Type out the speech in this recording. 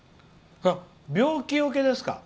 病気よけですか。